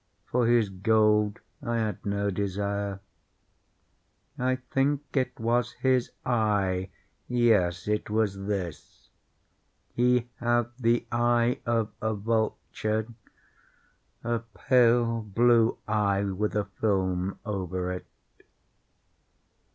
For his gold I had no desire. I think it was his eye! yes, it was this! He had the eye of a vulture—a pale blue eye, with a film over it.